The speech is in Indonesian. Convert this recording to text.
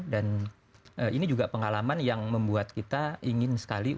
dan ini juga pengalaman yang membuat kita ingin sekalian